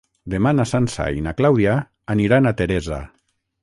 Demà na Sança i na Clàudia aniran a Teresa.